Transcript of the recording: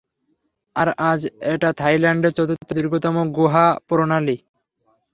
আর আজ এটা থাইল্যান্ডের চতুর্থ দীর্ঘতম গুহা প্রণালী।